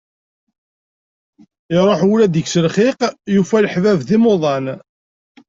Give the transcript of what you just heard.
Iṛuḥ wul ad d-yekkes lxiq, yufa-n leḥbab d imuḍan.